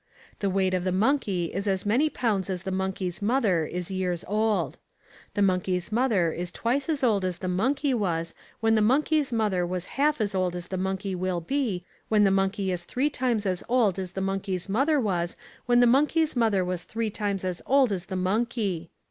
The weight of the monkey is as many pounds as the monkey's mother is years old. The monkey's mother was twice as old as the monkey was when the monkey's mother was half as old as the monkey will be when the monkey is three times as old as the monkey's mother was when the monkey's mother was three times as old as the monkey.